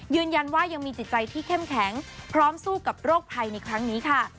ยืนยันว่ายังมีจิตใจที่เข้มแข็งพร้อมสู้กับโรคภัยในครั้งนี้ค่ะ